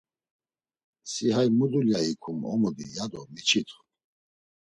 Si hay mu dulya ikum omudi, ya do miç̌itxu.